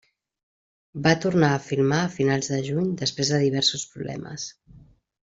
Va tornar a filmar a finals de juny després de diversos problemes.